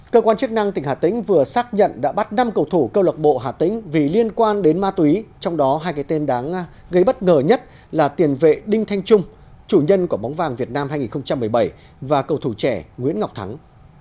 cơ quan chức năng tỉnh hà tĩnh vừa xác nhận đã bắt năm cầu thủ câu lạc bộ hà tĩnh vì liên quan đến ma túy trong đó hai cái tên đáng gây bất ngờ nhất là tiền vệ đinh thanh trung chủ nhân của bóng vàng việt nam hai nghìn một mươi bảy và cầu thủ trẻ nguyễn ngọc thắng